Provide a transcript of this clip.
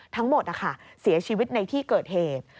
ทั้งหมดเสียชีวิตในที่เกิดเหตุ